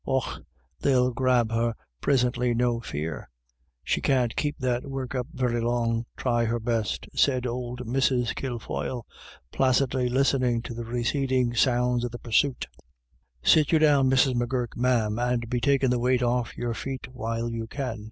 "Och, they'll grab her prisintly, no fear; she can't keep that work up very long, try her best," said old Mrs. Kilfoyle, placidly listening to the receding sounds of the pursuit " Sit you down, Mrs. M'Gurk, ma'am, and be takin' the weight off of your feet while you can.